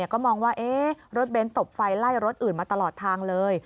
ก็มองว่ารถเบ้นตบไฟไล่รถอื่นมาตลอดทางเลย